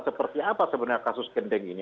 seperti apa sebenarnya kasus gendeng ini